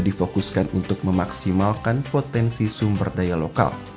difokuskan untuk memaksimalkan potensi sumber daya lokal